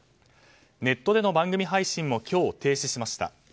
ネットでの番組配信も今日停止しました。